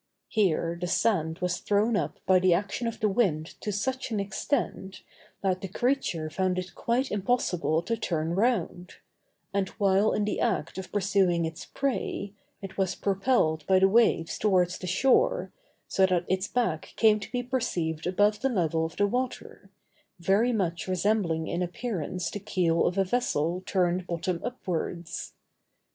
Here, the sand was thrown up by the action of the wind to such an extent, that the creature found it quite impossible to turn round; and while in the act of pursuing its prey, it was propelled by the waves towards the shore, so that its back came to be perceived above the level of the water, very much resembling in appearance the keel of a vessel turned bottom upwards.